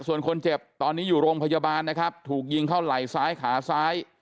ส่วนคนเจ็บตอนนี้อยู่โรงพยาบาลนะครับถูกยิงเข้าไหล่ซ้ายขาซ้าย